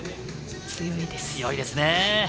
強いです。